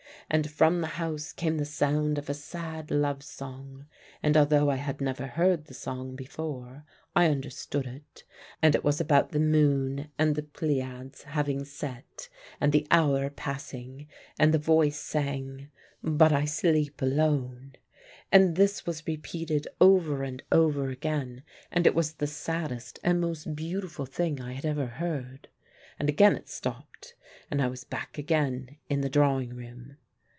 And from the house came the sound of a sad love song; and although I had never heard the song before I understood it, and it was about the moon and the Pleiads having set, and the hour passing, and the voice sang, 'But I sleep alone!' And this was repeated over and over again, and it was the saddest and most beautiful thing I had ever heard. And again it stopped, and I was back again in the drawing room.